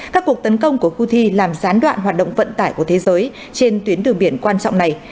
các cuộc tấn công của houthi làm gián đoạn hoạt động vận tải của thế giới trên tuyến từ biển quan trọng này